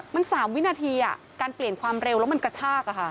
มัน๓วินาทีการเปลี่ยนความเร็วแล้วมันกระชาก